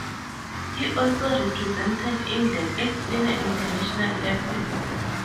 He also represented England at senior international level.